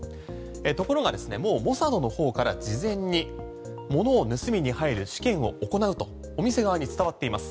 ところがですね、もうモサドから事前に物を盗みに入る試験を行うとお店側に伝わっています。